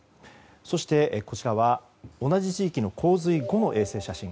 そして、こちらは同じ地域の洪水後の衛星写真。